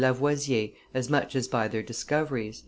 Lavoisier as much as by their discoveries" [M.